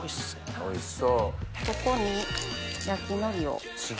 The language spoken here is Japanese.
おいしそう！